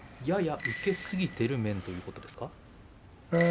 やや受けすぎている面ということですか。